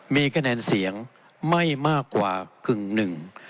มีคะแนนเสียงไม่มากกว่ากึ่งหนึ่ง